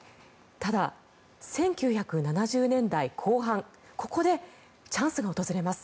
ただ、１９７０年代後半ここでチャンスが訪れます。